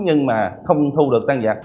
nhưng mà không thu được tăng giặc